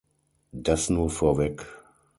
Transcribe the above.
Das nur vorweg.